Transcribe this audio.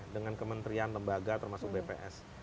dengan kementerian lembaga termasuk bps